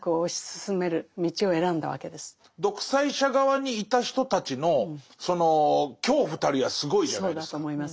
独裁者側にいた人たちのその恐怖たるやすごいじゃないですか。